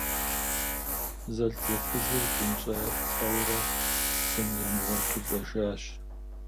Зэлӏзэфызыр бынщӏэлӏэурэ, бын ямыгъуэту лӏэжащ.